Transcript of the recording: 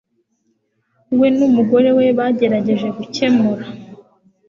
We n'umugore we bagerageje gukemura